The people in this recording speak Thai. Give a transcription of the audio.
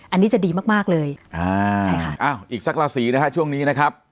อันนี้จะดีมากมากเลยอ่าใช่ค่ะอ้าวอีกสักราศีนะฮะช่วงนี้นะครับ